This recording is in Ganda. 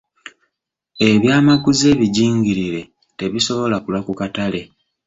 Ebyamaguzi ebijingirire tebisobola kulwa ku katale.